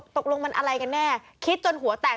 ตกลงมันอะไรกันแน่คิดจนหัวแตก